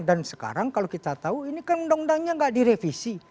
sekarang kalau kita tahu ini kan undang undangnya nggak direvisi